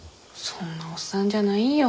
そんなおっさんじゃないんよ